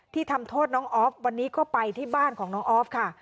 ทำโทษน้องออฟวันนี้ก็ไปที่บ้านของน้องออฟค่ะ